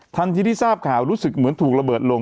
ทันทีที่ทราบข่าวรู้สึกเหมือนถูกระเบิดลง